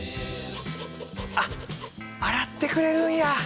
あっ洗ってくれるんや。